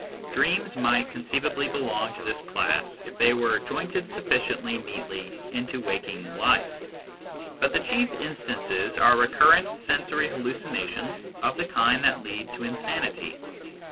Dreams might conceivably belong to this class, if they were jointed sufficiently neatly into waking life ; but the chief instances are recurrent sensory hallucinations of the kind that lead to insanity.